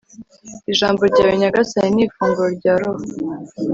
ijambo ryawe nyagasani ni ifunguro rya roho